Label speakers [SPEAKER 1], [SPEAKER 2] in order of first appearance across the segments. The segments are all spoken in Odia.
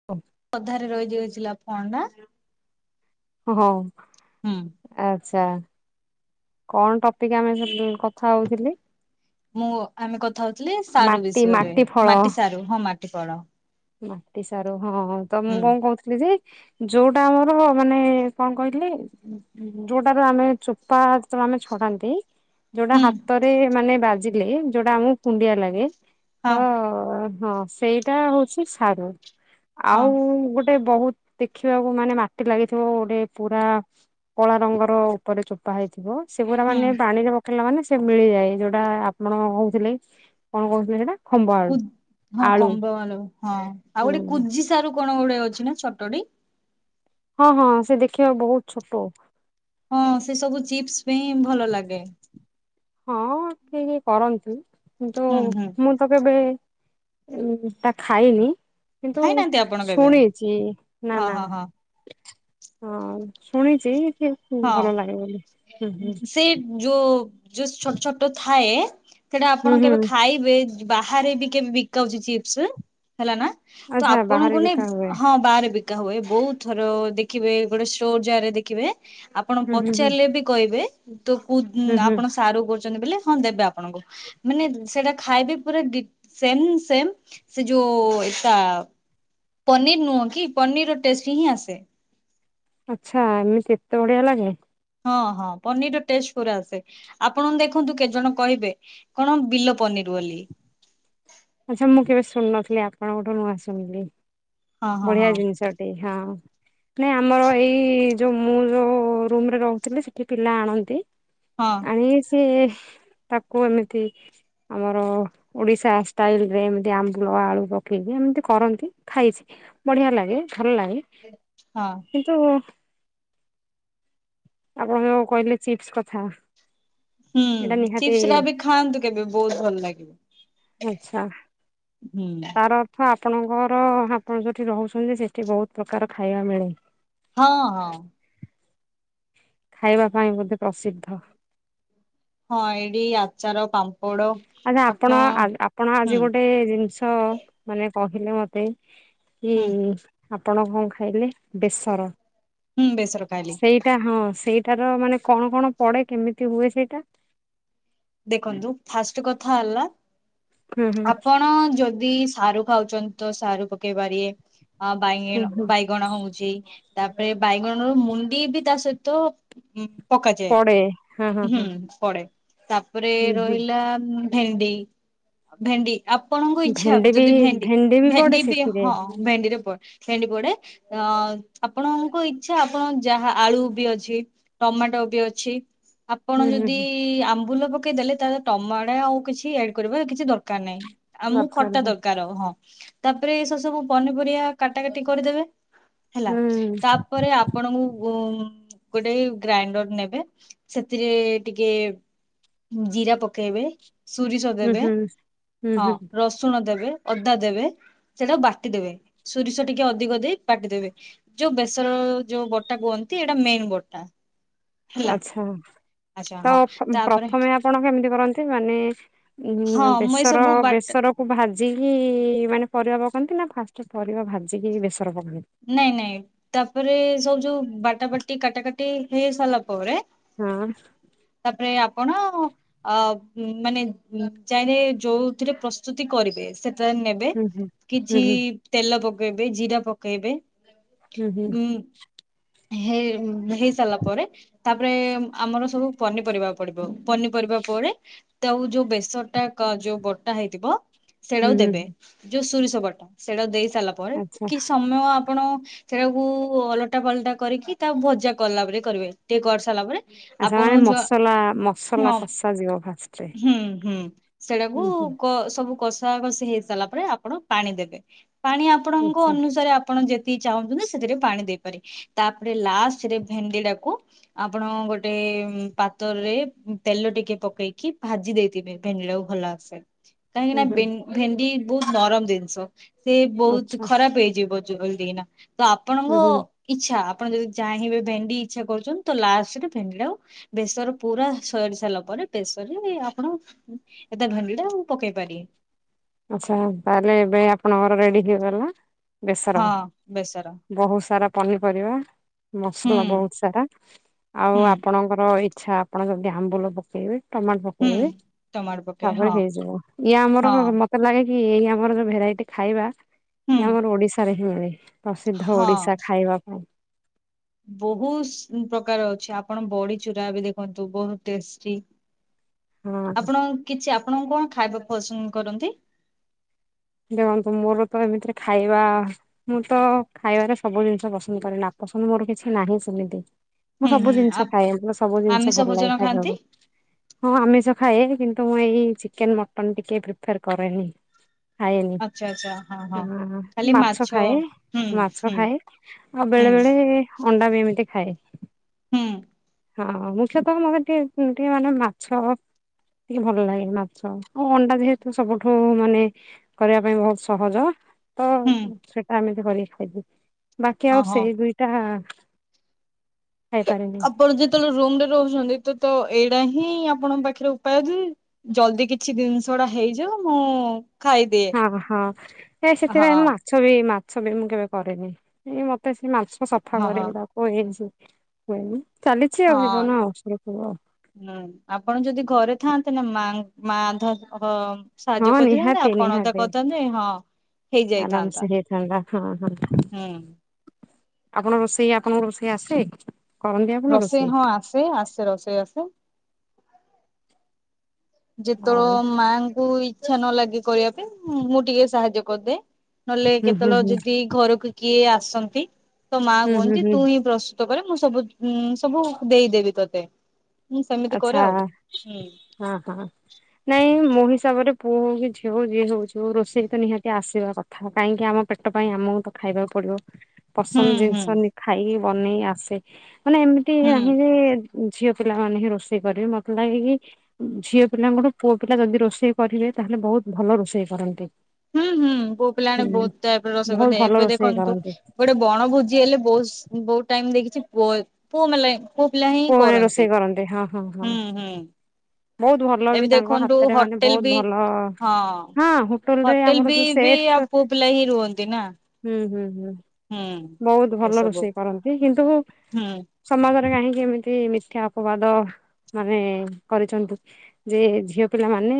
[SPEAKER 1] [unintelligible]
[SPEAKER 2] ଅଧାରେ ରହିଯାଇଥିଲା ଫଣ୍ଡ।
[SPEAKER 1] ହଁ ହଉ।
[SPEAKER 2] ହୁଁ।
[SPEAKER 1] ଆଚ୍ଛା। କଣ ଟପିକ ଆମେ [unintelligible] କଥା ହଉଥିଲି?
[SPEAKER 2] ମୁଁ ଆମେ କଥା ହଉଥିଲି ସାରୁ
[SPEAKER 1] ମାଟି
[SPEAKER 2] ବିଷୟରେ।
[SPEAKER 1] ମାଟି ଫଳ
[SPEAKER 2] ମାଟି ସାରୁ, ହଁ ମାଟି ପଡ।
[SPEAKER 1] ମାଟି ସାରୁ, ହଁ ତ ମୁଁ
[SPEAKER 2] ହୁଁ।
[SPEAKER 1] କଣ କହୁ [unintelligible] ଯୋଉଟା ଆମର ମାନେ କଣ କହିଲେ ଯୋଉଟାରୁ ଆମେ ଚୋପା [unintelligible] ଆମେ ଛଡାନ୍ତି, ଯୋଉଟା
[SPEAKER 2] ହୁଁ
[SPEAKER 1] ହାତରେ ମାନେ ବାଜିଲେ ଯୋଉଟା ଆମକୁ କୁଣ୍ଡିଆ ଲାଗେ, ତ
[SPEAKER 2] ହଁ
[SPEAKER 1] ହଁ ସେଇଟା ହଉଛି ସାରୁ,
[SPEAKER 2] ହଁ
[SPEAKER 1] ଆଉ ଗୋଟେ ବହୁ ଦେଖିବାକୁ ମାନେ ମାଟି ଲାଗିଥିବ, ଗୋଟେ ପୁରା କଳା ରଙ୍ଗ ର ଉପରେ ଚୋପା ହେଇଥିବ। ସେ ପୁରା ମାନେ
[SPEAKER 2] ହୁଁ
[SPEAKER 1] ପାଣିରେ ପକେଇଲା ମାନେ ସେ ମିଳିଯାଏ ଯୋଉଟା ଆପଣ କହୁଥିଲେ। କଣ କହୁଥିଲେ ସେଇଟା?
[SPEAKER 2] କୁ, ହଁ କମ୍ବଆଳୁ, ହଁ ଆଉ ଗୋଟେ
[SPEAKER 1] ହୁଁ
[SPEAKER 2] କୁଜି ସାରୁ କଣ ଗୋଟେ ଅଛି ନା ଛୋଟଟି।
[SPEAKER 1] ହଁ ହଁ ସେ ଦେଖିବା ବହୁତ ଛୋଟ।
[SPEAKER 2] ହଁ ସେ ସବୁ ଚିପ୍ସ ପାଇଁ ଭଲ ଲାଗେ।
[SPEAKER 1] ହଁ ଟିକେ କରନ୍ତୁ କିନ୍ତୁ
[SPEAKER 2] ହୁଁ ହୁଁ
[SPEAKER 1] ମୁଁ ତ କେବେ ଉ ତା ଖାଇନି। କିନ୍ତୁ
[SPEAKER 2] ଖାଇନାହାନ୍ତି ଆପଣ କେବେ?
[SPEAKER 1] ଶୁଣିଚି ନାଁ
[SPEAKER 2] ହଁ
[SPEAKER 1] ନାଁ।
[SPEAKER 2] ହଁ ହଁ
[SPEAKER 1] ହଁ ଶୁଣିଚି କି
[SPEAKER 2] ହଁ।
[SPEAKER 1] ଭଲ ଲାଗେ ବୋଲି ହୁଁ ହୁଁ।
[SPEAKER 2] ସେ ଯୋଉ ଯୋଉ ଛୋଟ ଛୋଟ ଥାଏ ସେଟା
[SPEAKER 1] ହୁଁ
[SPEAKER 2] ଆପଣ
[SPEAKER 1] ହୁଁ
[SPEAKER 2] କେବେ ଖାଇବେ। ବାହାରେ ବି [unintelligible] ବିକାଉଛି ଚିପ୍ସି ହେଲା ନାଁ। ତ
[SPEAKER 1] ଆଚ୍ଛା ବାହାରେ
[SPEAKER 2] ଆପଣଙ୍କୁ ନେଇ
[SPEAKER 1] ବିକା ହୁଏ
[SPEAKER 2] ହଁ ବାହାରେ ବିକ୍ ବିକା ହୁଏ ବହୁତ୍ ଥର ଦେଖିବେ ଗୋଟେ ସୋ ଯାରେ ଦେଖିବେ ଆପଣ
[SPEAKER 1] ହୁଁ ହୁଁ ହୁଁ
[SPEAKER 2] ପଚାରିଲେ ବି କହିବେ ତ କୋଉ
[SPEAKER 1] ହୁଁ ହୁଁ
[SPEAKER 2] ଆପଣ ସାରୁ କରୁଚନ୍ତି ବୋଲି ହଁ ଦେବେ ଆପଣଙ୍କୁ। ମାନେ ସେଟା ଖାଇବେ ପୁରା ଡି ସେମ୍ ସେମ୍ ସେ ଯୋଉ ଏଇଟା ପନିର୍ ନୁହଁ କି ପନିର୍ ର ଟେଷ୍ଟି ହିଁ ଆସେ।
[SPEAKER 1] ଆଚ୍ଛା ଏମିତି ଏତେ ବଢିଆ ଲାଗେ।
[SPEAKER 2] ହଁ ହଁ ପନିର୍ ର ଟେଷ୍ଟ୍ ପୁର ଆସେ ଆପଣ ଦେଖନ୍ତୁ କେତେ ଜଣ କହିବେ। କଣ ବିଲ ପନିର୍ ବୋଲି।
[SPEAKER 1] ଆଚ୍ଛା ମୁଁ କେବେ ଶୁଣୁ ନଥିଲି ଆପଣଙ୍କଠୁ ନୂଆ ଶୁଣିଲି
[SPEAKER 2] ହଁ ହଁ ହଁ
[SPEAKER 1] ବଢିଆ ଜିନିଷ। ଟେ ହଁ। ନାଇଁ ଆମର ଏଇ ଯୋଉ ମୁଁ ଯୋଉଁ ରୁମ୍ ରେ ରହୁଥିଲି ସେଠି ପିଲା ଆଣନ୍ତି।
[SPEAKER 2] ହଁ।
[SPEAKER 1] ଣି ସିଏ ତାକୁ ଏମିତି ଆମର ଓଡିଶା ଆସ ଷ୍ଟାଇଲ୍ରରେ ଏମିତି ଆମ୍ବୁଲ ଆଳୁ ପକେଇକି ଏମିତି କରନ୍ତି ଖାଇଚି ବଢ଼ିଆ ଲାଗେ ଭଲ ଲାଗେ।
[SPEAKER 2] ହଁ।
[SPEAKER 1] ତୁ ଆପଣ ଯୋଉ କହିଲେ ଚିପ୍ସ କଥା।
[SPEAKER 2] ହୁଁ
[SPEAKER 1] ଏଇଟା ନିହାତି
[SPEAKER 2] ଚିପ୍ସ ଟା ବି ଖାଆନ୍ତୁ କେବେ ବହୁତ୍ ଭଲ ଲାଗିବ।
[SPEAKER 1] ଆଚ୍ଛା।
[SPEAKER 2] ହୁଁ ଡା।
[SPEAKER 1] ତାର ଅର୍ଥ ଆପଣଙ୍କର ଆପଣ ଯଉଠି ରହୁଚନ୍ତି ସେଠି ବହୁତ୍ ପ୍ରକାର ଖାଇବା ମିଳେ।
[SPEAKER 2] ହଁ ହଁ।
[SPEAKER 1] ଖାଇବା ପାଇଁ ବୋଧେ ପ୍ରସିଦ୍ଧ।
[SPEAKER 2] ହଁ ଏଇଡି ଆଚାର ପାମ୍
[SPEAKER 1] ଆଚ୍ଛା ଆପଣ ଆପଣ
[SPEAKER 2] ହୁଁ
[SPEAKER 1] ଆଜି ଗୋଟେ ଜିନିଷ ତ ମାନେ କହିଲେ ମୋତେ କି
[SPEAKER 2] ହୁଁ
[SPEAKER 1] ଆପଣ କଣ ଖାଇଲେ? ବେଶର
[SPEAKER 2] ହୁଁ ବେସର ଖାଇଲି
[SPEAKER 1] ସେଇ ସେଟା ହଁ ସେଇଟାର ମାନେ କଣ କଣ ପଡେ କେମିତି ହୁଏ ସେଇଟା?
[SPEAKER 2] ଦେଖନ୍ତୁ ଫାଷ୍ଟ କଥା ହେଲା
[SPEAKER 1] ହୁଁ ହୁଁ
[SPEAKER 2] ଆପଣ ଯଦି ଯି ସାରୁ ଖାଉଚନ୍ତି ତ ସାରୁ ପକେଇପାରିବେ ଓ
[SPEAKER 1] ହୁଁ
[SPEAKER 2] ବାଇଗଣ
[SPEAKER 1] ହୁଁ
[SPEAKER 2] ବାଇ ଗଣ ହଉଚି ତାପରେ ବାଇଗଣ ର ମୁଣ୍ଡି ବି ତା ସହିତ ଉଁ
[SPEAKER 1] ପଡେ ହଁ ହଁ
[SPEAKER 2] ପକାଯାଏ ହୁଁ
[SPEAKER 1] ହଁ
[SPEAKER 2] ପଡେ। ତାପରେ
[SPEAKER 1] ହୁଁ ହୁଁ
[SPEAKER 2] ରହିଲା ଭେଣ୍ଡି ଭେଣ୍ଡି। ଆପଣଙ୍କ ଇଚ୍ଛା
[SPEAKER 1] ଭେଣ୍ଡି ବି
[SPEAKER 2] ଯଦି ଭେଣ୍ଡି
[SPEAKER 1] ପଡେ
[SPEAKER 2] ଭେଣ୍ଡି ବି
[SPEAKER 1] ସେଥିରେ
[SPEAKER 2] ହଁ ଭେଣ୍ଡିରେ ପଡେ। ଫେଣ୍ଡି ପଡେ ଅ ଆପଣଙ୍କ ଇଛା ଆପଣ ଯାହା ଆଳୁ ବି ଅଛି। ଟମାଟୋ ବି ଅଛି। ଆପଣ
[SPEAKER 1] ହୁଁ ହୁଁ
[SPEAKER 2] ଯଦି
[SPEAKER 1] ହୁଁ
[SPEAKER 2] ଆମ୍ବୁଲ ପକେଇଦେଲେ ତାହେଲେ ଟମାଟା ଆଉ କିଛି ଆଡ କରିବା କିଛି ଦରକାର ନାହିଁ। ଆଉମକୁ
[SPEAKER 1] ଦରକାର
[SPEAKER 2] ଖଟା
[SPEAKER 1] ହୁଁ
[SPEAKER 2] ଦରକାର ହଁ ତାପରେ ଏ ସେ ସବୁ ପନିପରିବା କାଟା କାଟି କରିଦେବେ। ହେଲା ତା ପରେ ଆପଣଙ୍କୁ ଗୋ ଉଁ ଗୋଟେ ଗ୍ରାଇଣ୍ଡର ନେବେ ସେଥିରେ ଟିକେ ହୁଁ ଜିରା ପକେଇବେ ସୁରିଷ
[SPEAKER 1] ହୁଁ
[SPEAKER 2] ଦେବେ
[SPEAKER 1] ହୁଁ
[SPEAKER 2] ହଁ
[SPEAKER 1] ହୁଁ
[SPEAKER 2] ରସ୍ ସୁଣ ଦେବେ ଅଦା ଦେବେ ସେଇଟାକୁ ବାଟିଦବେ ସୁରିଷ ଟିକେ ଅଧିକ ଦେଇ ବାଟିଦେବେ। ଯୋଉ ବେସର ଯୋଉ ବଟା କୁହନ୍ତି ଏଇଟା ମେନ୍ ବଟା। ହେଲା
[SPEAKER 1] ଆଛା
[SPEAKER 2] ଆଚ୍ଛା
[SPEAKER 1] ତ
[SPEAKER 2] ହଁ
[SPEAKER 1] ପ୍ର ଉଁ
[SPEAKER 2] ତାପରେ
[SPEAKER 1] ପ୍ରଥମେ ଆପଣ କେମିତି କରନ୍ତି ମାନେ ଉଁ
[SPEAKER 2] ହଁ
[SPEAKER 1] [unintelligible]
[SPEAKER 2] ମୁଁ ଏ
[SPEAKER 1] ବେସର
[SPEAKER 2] ସବୁ ବାଟ
[SPEAKER 1] ବେସର କୁ ଭାଜିକି ମାନେ ପରିବା ପକାନ୍ତି ନା ଫାଷ୍ଟ ପରିବା ଭାଜିକି ବେସର ପକାନ୍
[SPEAKER 2] ନାଇଁ ନାଇଁ ତାପରେ ସବୁ ଯୋଉ ବାଟା ବାଟି କାଟା କାଟି ହେଇ ସାରିଲା ପରେ
[SPEAKER 1] ହଁ।
[SPEAKER 2] ତାପ୍ରେ ଆପଣ ଅ ଉଁ ମାନେ ଉଁ ଚାହିଁରେ ଯୋଉଥିରେ ପ୍ରସ୍ତୁତି କରିବେ ସେଟା ନେ ବେ
[SPEAKER 1] ହୁଁ ହୁଁ ହୁଁ
[SPEAKER 2] କିଛି
[SPEAKER 1] ହୁଁ
[SPEAKER 2] ତେଲ ପକେଇବେ ଜିରା ପକେଇବେ।
[SPEAKER 1] ହୁଁ ହୁଁ।
[SPEAKER 2] ହେ ଉଁ ହେଇ ସାରିଲା ପରେ ତାପରେ ହୁଁ ଆମର ସବୁ ପନିପରିବା ପଡିବ ପନିପରିବା ପରେ ତାକୁ ଯୋଉ ବେସରଟା କ ଯୋଉ ବଟା ହେଇଥିବ
[SPEAKER 1] ହୁଁ
[SPEAKER 2] ସେଇଟାକୁ
[SPEAKER 1] ହୁଁ।
[SPEAKER 2] ଦେବେ ଯୋଉ ସୁରିଷ ବଟା ସେଇଟାକୁ ଦେଇ ସାରିଲା ପରେ
[SPEAKER 1] ଆଚ୍ଛା
[SPEAKER 2] କିଛି ସମୟ ଆପଣ ସେଟାକୁ ଓଲଟା ପାଲଟା କରିକି ତାକୁ ଭଜା କଲା ପରି କରିବେ ଟିକେ କରିସାରିଲା ପରେ
[SPEAKER 1] ଆଚ୍ଛା ମାନେ
[SPEAKER 2] ଆପଣଙ୍କୁ ଝୁଅ
[SPEAKER 1] ମସଲା ମସଲା
[SPEAKER 2] ହୁଁ
[SPEAKER 1] କଷା ଯିବ ଫାଷ୍ଟରେ।
[SPEAKER 2] [unintelligible] ହୁଁ ହୁଁ। ସେଇଟାକୁ
[SPEAKER 1] ହୁଁ ହୁଁ
[SPEAKER 2] କ ସବୁ କସ୍ ଥା କଷି ହେଇସାରିଲା ପରେ ଆପଣ ପାଣି ଦେବେ ପାଣି ଆପଣଙ୍କ
[SPEAKER 1] ଆଚ୍ଛା
[SPEAKER 2] ଅନୁସାରେ ଆ ପଣ ଯେତିକି ଚାହୁଁଛନ୍ତି ସେଥିରେ ପାଣି ଦେଇପାରି ତାପରେ ଲାଷ୍ଟରେ ଭେଣ୍ଡିଟାକୁ ଆପଣ ଗୋଟେ ଉଁ ପାତରରେ ଉଁ ତେଲ ଟିକେ ପକେଇକି ଭାଜି ଦେଇଥିବେ ଭେଣ୍ଡିଟାକୁ ଭଲ ଆସ୍ [unintelligible] କାହିଁକି
[SPEAKER 1] ହୁଁ
[SPEAKER 2] ନା
[SPEAKER 1] ହୁଁ
[SPEAKER 2] ବେନ୍ ଭେଣ୍ଡି ବୋହୁତ ନରମ ଦିନିଷ ସିଏ ବୋହୁତ
[SPEAKER 1] ଆଚ୍ଛା
[SPEAKER 2] ଖରାପ ହେଇଯିବ। ଜୁଗ୍ଲଦିକିନା ତ
[SPEAKER 1] ହୁଁ
[SPEAKER 2] ଆପଣଙ୍କ
[SPEAKER 1] ହୁଁ।
[SPEAKER 2] ଇଚ୍ଛା ଆ ଆପଣ ଯଦି ଚାହିଁବେ ଭେଣ୍ଡି ଇଚ୍ଛା କରୁଛନ୍ତି ତ ଲାଷ୍ଟରେ ଭେଣ୍ଡିଟାକୁ ବେସର ପୁରା ସରି ସାରିଲା ପରେ ପେସରରେ ଆପଣ ଉଁ ଏ ତା ଭାଣ୍ଡିଟାଉ ପକେଇ ପାରିବି।
[SPEAKER 1] ଆଚ୍ଛା ତାହେଲେ ଏବେ ଆପଣଙ୍କର ରେଡି ହେଇଗଲା ବେସର।
[SPEAKER 2] ହଁ ବେସର
[SPEAKER 1] ବୋହୁ ସାରା ପନିପରିବା
[SPEAKER 2] ହୁଁ
[SPEAKER 1] ମସଲା ବୋହୁତ ସାରା ଆଉ
[SPEAKER 2] ହୁଁ
[SPEAKER 1] ଆପଣଙ୍କର ଇଚ୍ଛା ଆପଣ ଯଦି ଆମ୍ବୁଲ ପକେଇବେ। ଟମାଟ
[SPEAKER 2] ହୁଁ
[SPEAKER 1] ପକେଇବେ
[SPEAKER 2] ଟମାଟୋ ପକେଇ ହଁ
[SPEAKER 1] ତାପରେ ହେଇଯିବ ଇଏ ଆମର
[SPEAKER 2] ହଁ
[SPEAKER 1] [unintelligible] ମ ତେ ଲାଗେ କି ଏଇ ଆମର ଯୋଉ ଭେରାଇଟି ଖାଇବା
[SPEAKER 2] ହୁଁ
[SPEAKER 1] ଇଏ ଆମର ଓଡିଶାରେ ହିଁ ମିଳେ। ପ୍ରସିଦ୍ଧ ଓଡିଶା ଖାଇବା ପାଇଁ
[SPEAKER 2] ବୋହୁସ୍ ଉଁ ପ୍ରକାର ଅଛି ଆପଣ ବଡି ଚୁରା ଏବ ଦେଖନ୍ତୁ ବୋହୁତ ଟେଷ୍ଟି।
[SPEAKER 1] ହଁ
[SPEAKER 2] ଆପଣଙ୍କୁ କିଛି ଆପଣଙ୍କୁ କଁ ଖାଇବା ପସନ୍ଦ କରନ୍ତି?
[SPEAKER 1] ଦେଖନ୍ତୁ ମୋର ତ ଏମିତିରେ ଖାଇବା ମୁଁ ତ ଖାଇବାରେ ସବୁ ଜିନିଷ ପସନ୍ଦ କରେ ନାପସନ୍ଦ ମୋର କିଛି ନାହିଁ ସେମିତି। ମୁଁ
[SPEAKER 2] ହୁଁ
[SPEAKER 1] ସବୁ
[SPEAKER 2] ହୁଁ ଆଉ
[SPEAKER 1] ଜିନିଷ ଖାଏ ମୁଁ ସବୁ ଜିନିଷ
[SPEAKER 2] ଆମିଷ
[SPEAKER 1] ଭଲ ଲାଗେ
[SPEAKER 2] ଭୋଜନ ଖାଆନ୍ତି
[SPEAKER 1] ଖାଇବାକୁ। ହଁ ଆମିଷ ଖାଏ କିନ୍ତୁ ମୁଁ ଏଇ ଚିକେନ୍ ମଟନ୍ ଟିକେ ପ୍ରିଫର୍ କରେନି। ଖାଏନି
[SPEAKER 2] ଆଚ୍ଛା ଆଚ୍ଛା ହଁ ହଁ।
[SPEAKER 1] ଆଁ ମୁଁ ମାଛ ଖାଏ
[SPEAKER 2] ହୁଁ
[SPEAKER 1] ମାଛ
[SPEAKER 2] ହୁଁ
[SPEAKER 1] ଖାଏ। ଆଉ
[SPEAKER 2] ହୁଁ
[SPEAKER 1] ବେଳେ ବେଳେ ଅଣ୍ଡା ବି ଏମିତି ଖାଏ।
[SPEAKER 2] ହୁଁ।
[SPEAKER 1] ହଁ ମୁଖ୍ୟତଃ ମତେ ଟିକେ ଉଁ ଟିକେ ମାନେ ମାଛ ଟିକେ ଭଲ ଲାଗେ ମାଛ ଆଉ ଅଣ୍ଡା ଯେହେତୁ ସବୁଠୁ ମାନେ କରିବା ପାଇଁ ବହୁତ ସହଜ। ତ
[SPEAKER 2] ହୁଁ
[SPEAKER 1] ସେଟା ଏମିତି କରିକି ଖାଇଚୁ ବାକି ଆଉ
[SPEAKER 2] ହଁ ହଁ।
[SPEAKER 1] ସେଇ ଦୁଇଟା ଖାଇପାରେନି
[SPEAKER 2] ଆପଣ ଯେତେବେଳେ ରୁମରେ ରହୁଛନ୍ତି ତ ତ ଏଇଡା ହିଁ ଆପଣଙ୍କ ପାଖରେ ଉପାୟ ଜେ ଜଲଦି କିଛି ଜିନିଷଡା ହେଇଯାଉ ମୁଁ ଖାଇଦିଏ
[SPEAKER 1] ହଁ ହଁ ନାଇଁ
[SPEAKER 2] ହଁ
[SPEAKER 1] ସେଥିପାଇଁ ମୁଁ ମାଛ ବି ମାଛ ବି ମୁଁ କେବେ କରେନି ଏ ମତେ ସେ ମାଛ ସଫା
[SPEAKER 2] ହଁ ହଁ।
[SPEAKER 1] କରିବାକୁ ତାକୁ [inaudible] ଚାଲିଛି ଆଉ ଜୀବନ
[SPEAKER 2] ହଁ
[SPEAKER 1] ଆଉ ସୁରୁଖୁରୁ ଆଉ।
[SPEAKER 2] ହୁଁ ଆପଣ ଯଦି ଘରେ ଥାଆନ୍ତେ ନା ମା ମାଧ
[SPEAKER 1] ହଁ
[SPEAKER 2] ସାହାଯ୍ୟ କରିଦେଇଥାନ୍ତେ ଆପଣ ତା କହିଥାନ୍ତେ ହଁ।
[SPEAKER 1] ଆରାମ
[SPEAKER 2] ହେଇଯାଇଥାନ୍ତା
[SPEAKER 1] ସେ ହେଇଥାନ୍ତା ହଁ ହଁ।
[SPEAKER 2] ହୁଁ।
[SPEAKER 1] ଆପଣ ରୋଷେଇ ଆପଣଙ୍କୁ ରୋଷେଇ ଆସେ? କରନ୍ତି ଆପଣ
[SPEAKER 2] ରୋଷେଇ ହଁ ଆସେ ଆସେ ରୋଷେଇ ଆସେ।
[SPEAKER 1] ଆଉ
[SPEAKER 2] ଯେତେବେଳେ ମାଙ୍କୁ ଇଛା ନ ଲାଗେ କରିବା ପାଇଁ ମୁଁ ଟିକେ ସାହାଯ୍ୟ କରିଦେଏ। ନହେଲେ
[SPEAKER 1] ହୁଁ ହୁଁ
[SPEAKER 2] କେତେବେଳେ
[SPEAKER 1] ହୁଁ
[SPEAKER 2] ଯଦି ଘରକୁ କିଏ ଆସନ୍ତି ତ ମା
[SPEAKER 1] ହୁଁ ହୁଁ
[SPEAKER 2] କୁହନ୍ତି
[SPEAKER 1] ହୁଁ
[SPEAKER 2] ତୁ ହିଁ ପ୍ରସ ତ କରେ ମୁଁ ସବୁ ସବୁ ଦେଇଦେବି ତତେ ମୁଁ ସେମିତି
[SPEAKER 1] ଆଚ୍ଛା
[SPEAKER 2] କରେ ଆଉ ହୁଁ।
[SPEAKER 1] ହଁ ହଁ ନାଇଁ ମୋ ହିସାବରେ ପୁଅ ହଉ କି ଝିଅ ହଉ ଯିଏ ହଉଛି ଯୋଉ ରୋଷେଇ ତ ନିହାତି ଆସିବା କଥା କାହିଁକି ଆମ ପେଟ ପାଇଁ ଆମକୁ ତ ଖାଇବାକୁ ପଡିବ।
[SPEAKER 2] ହୁଁ
[SPEAKER 1] ପସନ୍ଦ
[SPEAKER 2] ହୁଁ
[SPEAKER 1] ଜିନିଷ ଖାଇକି ବନେଇ ଆସେ ମାନେ ଏମିତି
[SPEAKER 2] ହୁଁ।
[SPEAKER 1] ନାହିଁ ଯେ ଝିଅ ପିଲାମାନେ ହିଁ ରୋଷେଇ କରିବେ ମତେ ଲାଗେକି ଝିଅ ପିଲାଙ୍କଠୁ ପୁଅ ପିଲା ଯଦି ରୋଷେଇ କରିବେ ତାହେଲେ ବହୁତ ଭଲ ରୋଷେଇ କରନ୍ତି।
[SPEAKER 2] ହୁଁ ହୁଁ ପୁଅ ପିଲାମାନେ
[SPEAKER 1] ହୁଁ
[SPEAKER 2] ବହୁତ ଟାଇପରେ ରୋଷେଇ
[SPEAKER 1] ବହୁତ
[SPEAKER 2] କରିଦିଏ
[SPEAKER 1] ଭଲ
[SPEAKER 2] ଏବେ
[SPEAKER 1] ରୋଷେଇ
[SPEAKER 2] ଦେଖନ୍ତୁ
[SPEAKER 1] କରନ୍ତି
[SPEAKER 2] ଗୋଟେ ବଣ ଭୋଜି ହେଲେ ବହୁତ ବହୁତ ଟାଇମ ଦେଖିଛି ପୁଅ ପୁଅମାଲେ ପୁଅ ପିଲା ହିଁ
[SPEAKER 1] ମାନେ
[SPEAKER 2] କରନ୍ତି
[SPEAKER 1] ରୋଷେଇ ହଁ ହଁ ହଁ।
[SPEAKER 2] ହୁଁ ହୁଁ।
[SPEAKER 1] ବହୁତ ଭଲ ବି
[SPEAKER 2] ଏବେ
[SPEAKER 1] ତାଙ୍କ
[SPEAKER 2] ଦେଖନ୍ତୁ
[SPEAKER 1] ହାତରେ ମାନେ
[SPEAKER 2] ହୋଟେଲ
[SPEAKER 1] ବହୁତ
[SPEAKER 2] ବି
[SPEAKER 1] ଭଲ
[SPEAKER 2] ହଁ
[SPEAKER 1] ହଁ ରେ
[SPEAKER 2] ହୋଟେଲ
[SPEAKER 1] ଆମର
[SPEAKER 2] ବି
[SPEAKER 1] ଯୋଉ
[SPEAKER 2] ବି
[SPEAKER 1] ସେଫ୍
[SPEAKER 2] ପୁଅପିଲା ହିଁ ରୁହନ୍ତି ନା?
[SPEAKER 1] ହୁଁ ହୁଁ ହୁଁ
[SPEAKER 2] ହୁଁ।
[SPEAKER 1] ବହୁତ ଭଲ
[SPEAKER 2] ଏସବୁ
[SPEAKER 1] ରୋଷେଇ କରନ୍ତି କିନ୍ତୁ
[SPEAKER 2] ହୁଁ ହେଁ
[SPEAKER 1] ସମାଜରେ କାହିଁକି କେମିତି ମିଥ୍ୟା ଅପବାଦ ମାନେ କରିଛନ୍ତି ଯେ ଝିଅ ପିଲା ମାନେ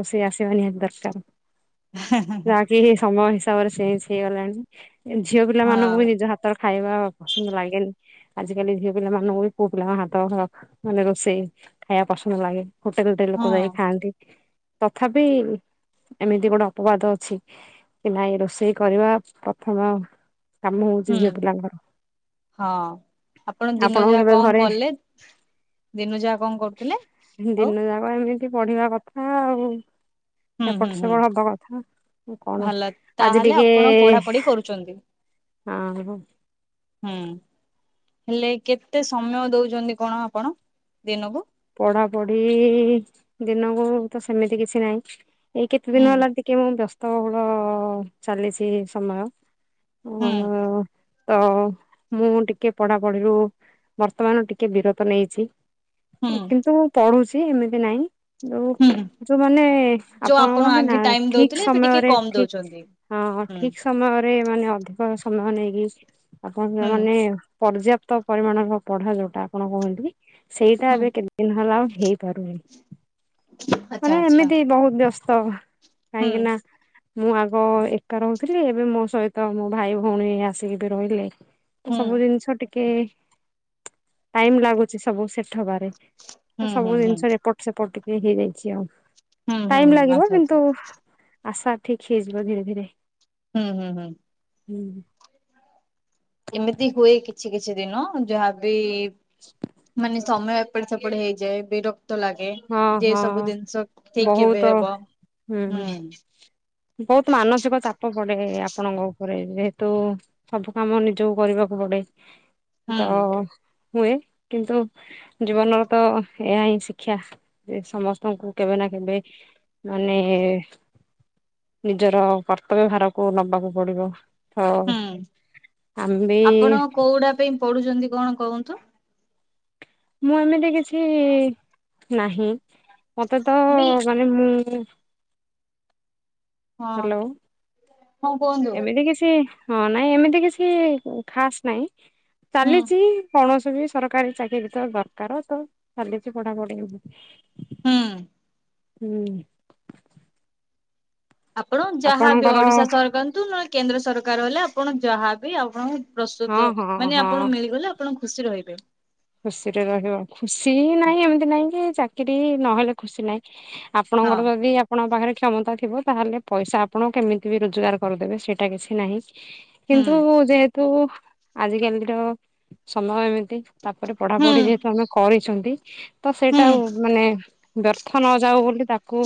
[SPEAKER 1] ରୋଷେଇ ଆସିବା ନିହାତି ଦରକାର।
[SPEAKER 2] ହେଁ
[SPEAKER 1] ଯାହାକି ସମୟ ହିସାବରେ ସେନସେ ହେଇଗଲାଣି ଝିଅ ପିଲାମାନଙ୍କୁ ବି
[SPEAKER 2] ହେଁ
[SPEAKER 1] ନିଜ ହାତ ର ଖାଇବା ପସନ୍ଦ ଲାଗେନି ଆଜିିକାଲି ଝିଅ ପିଲା ମାନଙ୍କୁ ବି ପୁଅ ପିଲାଙ୍କ ହାତ ହଁ ମାନେ ରୋଷେଇ ଖାଇବା ପସନ୍ଦ ଲାଗେ। ହୋଟେଲଟେ
[SPEAKER 2] ହଁ
[SPEAKER 1] ଲୋକ ଯାଇକି ଖାଆନ୍ତି ତଥାପି ଏମିତି ଗୋଟେ ଅପବାଦ ଅଛି କି ନାଇଁ ରୋଷେଇ କରିବା ପ୍ରଥମ କାମ ହଉଛି
[SPEAKER 2] ହଁ ହୁଁ
[SPEAKER 1] ଝିଅ ପିଲାଙ୍କର
[SPEAKER 2] ହଁ। ଦିନ
[SPEAKER 1] ଆପଣ
[SPEAKER 2] ଯାହା କଣ କଲେ ଦିନ ଯାକ କଣ କରୁଥିଲେ? ଆଉ
[SPEAKER 1] ଦିନ ଯାକ ଏମିତି ପଢିବା କଥା ଆଉ।
[SPEAKER 2] ହୁଁ
[SPEAKER 1] ଏପଟ
[SPEAKER 2] ହୁଁ ହୁଁ
[SPEAKER 1] ସେପଟ ହବା କଥା କଣ ଆଜି ଟିକେ
[SPEAKER 2] ଛନ୍ତି।
[SPEAKER 1] ହଁ ହ।
[SPEAKER 2] ହୁଁ। ହେଲେ କେତେ ସମୟ ଦଉଛନ୍ତି କଣ ଆପଣ ଦିନକୁ?
[SPEAKER 1] ପଢାପଢି ଦିନକୁ ତ ସେମିତି କିଛି ନାହିଁ ଏଇ କେତେ
[SPEAKER 2] ହୁଁ
[SPEAKER 1] ଦିନ ହେଲା ଟି କି ମୁଁ ବ୍ୟସ୍ତବହୁଳ ଚାଲିଛି ସମୟ
[SPEAKER 2] ହୁଁ
[SPEAKER 1] ଉଁ ତ ମୁଁ ଟିକେ ପଢ଼ାପଢ଼ିରୁ ବର୍ତ୍ତମାନ ଟିକେ ବିରତ ନେଇଛି।
[SPEAKER 2] ହୁଁ
[SPEAKER 1] କିନ୍ତୁ ମୁଁ ପଢୁଛି ଏମିତି ନାହିଁ। ଯୋଉ
[SPEAKER 2] ହୁଁ
[SPEAKER 1] ଯୋଉମାନେ
[SPEAKER 2] ଯୋଉ
[SPEAKER 1] ଆପଣ କହନ୍ତି
[SPEAKER 2] ଆଗେ
[SPEAKER 1] ନା
[SPEAKER 2] ଟାଇମ ଦଉଥିଲେ
[SPEAKER 1] ଠିକ
[SPEAKER 2] ଏବେ ଟିକେ
[SPEAKER 1] ସମୟରେ
[SPEAKER 2] କମ ଦଉଛନ୍ତି
[SPEAKER 1] ଠିକ ହଁ
[SPEAKER 2] ହୁଁ
[SPEAKER 1] ଠିକ୍ ସମୟରେ ମାନେ ଅଧିକ ସମୟ ନେଇକି ଆପଣ
[SPEAKER 2] ହୁଁ
[SPEAKER 1] ମାନେ। ପର୍ଯ୍ୟାପ୍ତ ପରିମାଣର ପଢ଼ା ଯୋଉଟା ଆପଣ କୁହନ୍ତି ସେଇ ଏ
[SPEAKER 2] ହୁଁ
[SPEAKER 1] କେତ୍ ଦିନ ହେଲା ଆଉ ହେଇପାରୁନି
[SPEAKER 2] ଆଚ୍ଛା
[SPEAKER 1] ମାନେ
[SPEAKER 2] ଆଚ୍ଛା
[SPEAKER 1] ଏମିତି ବହୁତ ବ୍ୟସ୍ତ ତ
[SPEAKER 2] ହୁଁ
[SPEAKER 1] କାହିଁକି ନା। ମୁଁ ଆଗ ଏକା ରହୁଥିଲି ଏବେ ମୋ ସହିତ ମୋ ଭାଇ ଭଉଣୀ ଆସିକି ବି ରହିଲେ।
[SPEAKER 2] ହୁଁ
[SPEAKER 1] ସବୁ ଜିନିଷ ଟିକେ ଟାଇମ୍ ଲାଗୁଛି ସବୁ ସେ
[SPEAKER 2] ହୁଁ
[SPEAKER 1] ସବୁ
[SPEAKER 2] ହୁଁ ହୁଁ
[SPEAKER 1] ଜିନିଷ ଏପଟ ସେପଟ ଟିକ ହେଇଯାଇଛି ଆଉ।
[SPEAKER 2] ହୁଁ ହୁଁ
[SPEAKER 1] ଟାଇମ
[SPEAKER 2] ହୁଁ
[SPEAKER 1] ଲାଗିବ
[SPEAKER 2] ଆଚ୍ଛା
[SPEAKER 1] କିନ୍ତୁ
[SPEAKER 2] ଆଚ୍ଛା।
[SPEAKER 1] ଆଶା ଠିକ୍ ହେଇଯିବ ଧୀରେ ଧୀରେ।
[SPEAKER 2] ହୁଁ ହୁଁ ହୁଁ।
[SPEAKER 1] ହୁଁ।
[SPEAKER 2] ଏମିତି ହୁଏ କିଛି କିଛି ଦିନ ଯାହାବି ମାନେ- ସମୟ ଏପଟେ ସେପଟେ ହେଇଯାଏ ବିରକ୍ତ ଲାଗେ
[SPEAKER 1] ହଁ
[SPEAKER 2] ଯେ
[SPEAKER 1] ହଁ
[SPEAKER 2] ସବୁ ଜିନିଷ ଠିକ୍
[SPEAKER 1] ବହୁତ
[SPEAKER 2] କେବେ ହବ ହୁଁ।
[SPEAKER 1] ବହୁତ ମାନସିକ ଚାପ। ପଡ଼େ ଆପଣଙ୍କ ଉପରେ ଯେହେତୁ ସବୁ କାମ ନିଜକୁ କରିବାକୁ ପଡ଼େ।
[SPEAKER 2] ହୁଁ
[SPEAKER 1] ତ ହୁଏ କିନ୍ତୁ ଜୀବନର ତ ଏହା ହିଁ ଶିକ୍ ଶିକ୍ଷା ଯେ ସମସ୍ତଙ୍କୁ କେବେ ନା କେବେ ମାନେ ନିଜର କର୍ତ୍ତବ୍ୟ ଭାରକୁ ନବାକୁ ପଡ଼ିବ। ହଁ ଆମେ ବି
[SPEAKER 2] କୋଉଡ଼ା ପାଇଁ ପଢୁଛନ୍ତି କଣ କହନ୍ତୁ?
[SPEAKER 1] ମୁଁ ଏମିତି କିଛି ନାହିଁ ମତେ ତ
[SPEAKER 2] ମି
[SPEAKER 1] ମାନେ ମୁଁ
[SPEAKER 2] ହଁ
[SPEAKER 1] ହ୍ୟାଲୋ
[SPEAKER 2] ହଁ କୁହନ୍ତୁ
[SPEAKER 1] ଏମିତି କିଛି ହଁ ନାଇଁ ଏମିତି କିଛି ଖାସ୍ ନହିଁ
[SPEAKER 2] ହୁଁ
[SPEAKER 1] ଚାଲିଛି କୌଣସି ବି ସରକାରୀ ଚାକିରୀତ ଦରକାର ତ ଚାଲିଛି ପଢ଼ାପଢ଼ି।
[SPEAKER 2] ହୁଁ।
[SPEAKER 1] ହୁଁ।
[SPEAKER 2] ଆପଣ ଯାହାବି
[SPEAKER 1] ଆପଣଙ୍କର
[SPEAKER 2] ଓଡ଼ିଶା ସରକାର ତୁ ନ କେନ୍ଦ୍ର ସରକାର ହେଲେ ଆପଣ ଯାହାବି ଆପଣ
[SPEAKER 1] ହଁ
[SPEAKER 2] ପ୍ରସ୍ତୁତ
[SPEAKER 1] ହଁ
[SPEAKER 2] ମାନେ
[SPEAKER 1] ହଁ
[SPEAKER 2] ଆପଣ ମିଳିଗଲେ ଆପଣ ଖୁସି ରହିବେ।
[SPEAKER 1] ଖୁସିରେ ରହିବ ଖୁସି ନାହିଁ ଏମିତି ନାଇଁ କି ଚାକିରି ନହେଲେ ଖୁସି ନାହିଁ
[SPEAKER 2] ହଁ
[SPEAKER 1] ଆପଣଙ୍କର ଯଦି ଆପଣଙ୍କ ପାଖରେ କ୍ଷମତା ଥିବ ତାହେଲେ ପଇସା ଆପଣ କେମିତି ବି ରୋଜଗାର କରିଦେବେ ସେଇଟା କିଛି ନାହିଁ।
[SPEAKER 2] ହୁଁ
[SPEAKER 1] କିନ୍ତୁ ଯେହେତୁ ଆଜିକାଲିର ସମୟ ଏମିତି ତାପରେ
[SPEAKER 2] ହୁଁ
[SPEAKER 1] ପଢ଼ାପଢ଼ି ଯେହେତୁ ତମେ କରିଛନ୍ତି ତ
[SPEAKER 2] ହୁଁ
[SPEAKER 1] ସେଇଟା ଆଉ ମାନେ ବ୍ୟର୍ଥ ନ ଯାଉ ବୋଲି ତାକୁ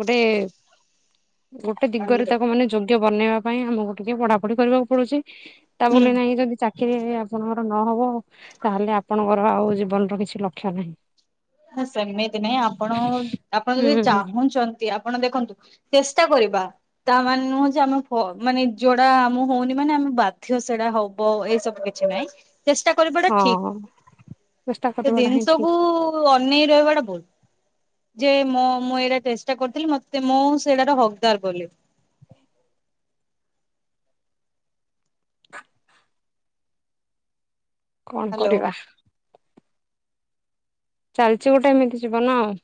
[SPEAKER 1] ଗୋଟେ ଗୋଟେ ଦିଗରେ ତାକୁ ମାନେ- ଯୋଗ୍ୟ ବନେଇବା ପାଇଁ ଆମକୁ ଟିକେ ପଢ଼ା ପଢ଼ି କରିବାକୁ ପଡ଼ୁଛି ତା
[SPEAKER 2] ହୁଁ।
[SPEAKER 1] ବୋଲି ନାଇଁ ଯଦି ଚାକ୍ ଚାକିରୀ ଆପଣଙ୍କର ନହବ ତାହେଲେ ଆପଣଙ୍କର ଆଉ ଜୀବନର କିଛି ଲକ୍ଷ୍ୟ ନାହିଁ।
[SPEAKER 2] ସେମିତି ନାହିଁ ଆପଣ ଆପଣ ଯଦି
[SPEAKER 1] ହୁଁ
[SPEAKER 2] ଚାହୁଁଛନ୍ତି ଆପଣ ଦେଖନ୍ତୁ ଚେଷ୍ଟା କରିବା। ତା ମାନେ ନୁହଁ ଯେ ଆମ ମାନେ ଯୋଉଟା ଆମ ହଉନି ମାନେ ଆମେ ବାଧ୍ୟ ସେଟା ହବ ଏଇ ସବୁ। କିଛି ନାହିଁ ଚେଷ୍ଟା କରିବାଟା
[SPEAKER 1] ହଁ
[SPEAKER 2] ଠିକ୍
[SPEAKER 1] ଚେଷ୍ଟା
[SPEAKER 2] ତ
[SPEAKER 1] କରିବାଟା ହିଁ ଠିକ
[SPEAKER 2] ଜିନିଷକୁୁ ଅନେଇ ରହିବାଟା ଭୁଲ୍। ଯେ ମୋ ମୁଁ ଏଇଟା ଚେଷ୍ଟା କରୁଥିଲି ମତେ ମୁଁ ସେଇଟ ର ହକଦାର୍ ବୋଲି।
[SPEAKER 1] କଣ
[SPEAKER 2] ହ୍ୟାଲୋ
[SPEAKER 1] କରିବା। ଚାଲିଛି ଗୋଟେ ଏମିତି ଯିବନ ଆଉ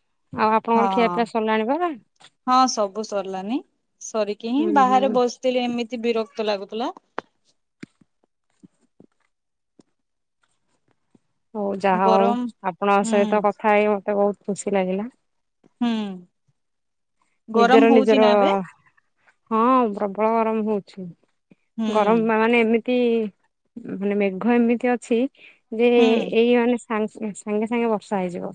[SPEAKER 2] ହଁ
[SPEAKER 1] ଆପଣଙ୍କର ଖିଆ ପିଆ ସରିଲାଣି ପରା।
[SPEAKER 2] ହଁ ସବୁ ସରିଲାନି ସରିକି ହିଁ
[SPEAKER 1] ହୁଁ
[SPEAKER 2] ବାହାରେ
[SPEAKER 1] ହୁଁ
[SPEAKER 2] ବସିଥିଲି ଏମିତି ବିରକ୍ତ ଲାଗୁଥିଲା।
[SPEAKER 1] ହଉ ଯାହା ହଉ
[SPEAKER 2] ଗରମ
[SPEAKER 1] ଆପଣଙ୍କ
[SPEAKER 2] ହୁଁ
[SPEAKER 1] ସହିତ କଥା ହେଇ ମତେ ବହୁତ ଖୁସି ଲାଗିଲା
[SPEAKER 2] ହୁଁ ଗରମ
[SPEAKER 1] ନିଜର
[SPEAKER 2] ହଉଛି
[SPEAKER 1] ନିଜର
[SPEAKER 2] ନା ଏବେ
[SPEAKER 1] ହଁ ପ୍ରବଳ ଗରମ ହଉଛି
[SPEAKER 2] ହୁଁ
[SPEAKER 1] ଗରମ ମାନେ ଏମି- ତି ମାନେ ମେଘ ଏମିତି ଅଛି ଯେ
[SPEAKER 2] ହୁଁ।
[SPEAKER 1] ଏଇ ମାନେ ସା ସାଙ୍ଗେ ସାଙ୍ଗେ ବର୍ଷା ହେଇଯିବ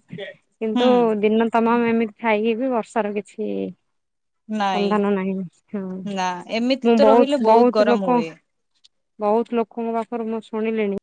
[SPEAKER 2] ହୁଁ
[SPEAKER 1] କିନ୍ତୁ ଦିନ ତମ ଏମିତି ଖାଇକି ବି ବର୍ଷାର କିଛି
[SPEAKER 2] ନାଇଁ
[SPEAKER 1] ସନ୍ଧାନ ନାହିଁ ହଁ
[SPEAKER 2] ନା ଏମିତି
[SPEAKER 1] ମୁଁ
[SPEAKER 2] ତ ରହିଲେ
[SPEAKER 1] ବହୁତ ବହୁତ
[SPEAKER 2] ଗରମ
[SPEAKER 1] ଲୋକ
[SPEAKER 2] ହୁଏ।
[SPEAKER 1] ବହୁତ ଲୋକଙ୍କ ପାଖରୁ ମୁଁ ଶୁଣିଲିଣି